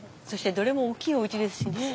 そしてどれもおおきいおうちですしね。